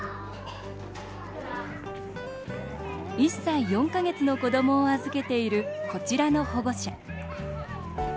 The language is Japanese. １歳４か月の子どもを預けているこちらの保護者。